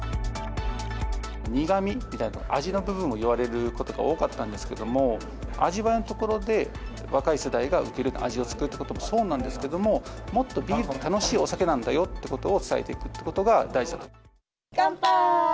苦みみたいな、味の部分を言われることが多かったんですけども、味わいのところで、若い世代に受ける味を作るということもそうなんですけれども、もっとビールって楽しいお酒なんだよということを伝えていくといかんぱーい！